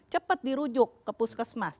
cepat dirujuk ke puskesmas